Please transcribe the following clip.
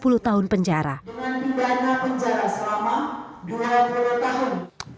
dengan pidana penjara selama dua puluh tahun